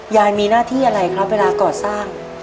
ยายมีหน้าที่อะไรครับเวลาก่อสร้าง